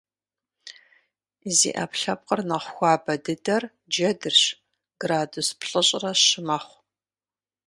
Зи Ӏэпкълъэпкъыр нэхъ хуабэ дыдэр джэдырщ - градус плӏыщӏрэ щы мэхъу.